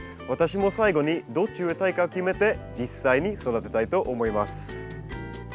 私も最後にどっち植えたいか決めて実際に育てたいと思います。